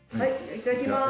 いただきます。